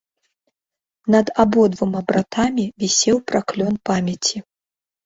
Над абодвума братамі вісеў праклён памяці.